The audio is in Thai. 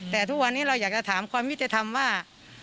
แต่ทุกวันนี้เราอยากจะถามความยุติธรรมว่า